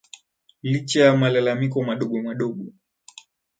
licha ya malalamiko madogo madogo